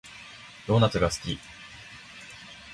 ドーナツが好き